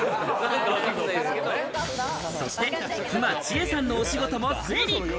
そして妻・智恵さんのお仕事も推理。